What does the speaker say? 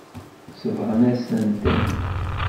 Sebɣent-asen-tent.